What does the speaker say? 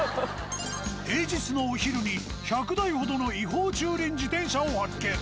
平日のお昼に１００台ほどの違法駐輪自転車を発見。